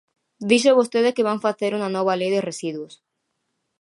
Dixo vostede que van facer unha nova lei de residuos.